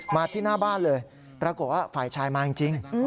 มาที่หน้าบ้านเลยปรากฏว่าฝ่ายชายมาจริง